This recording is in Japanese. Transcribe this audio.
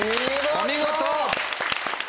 お見事！